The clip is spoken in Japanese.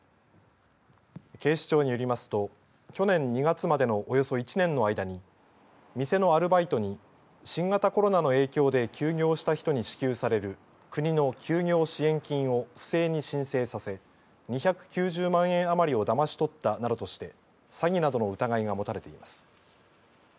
警視庁によりますと去年２月までのおよそ１年の間に店のアルバイトに新型コロナの影響で休業した人に支給される国の休業支援金を不正に申請させ２９０万円あまりをだまし取ったなどとして詐欺などの疑いが持たれています。